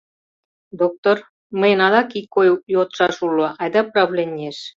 Доктор, мыйын адак ик ой йодшаш уло, айда правленийыш.